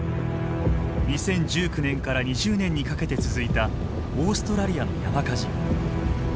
２０１９年から２０年にかけて続いたオーストラリアの山火事。